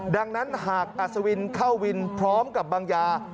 ดังนั้นหากอัศวินเข้าวินพร้อมกับบางยา